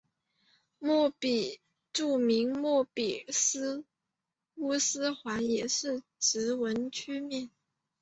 著名的莫比乌斯环也是直纹曲面。